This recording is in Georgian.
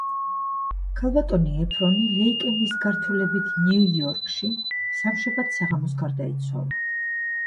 ქალბატონი ეფრონი ლეიკემიის გართულებით ნიუ-იორკში სამშაბათს საღამოს გარდაიცვალა.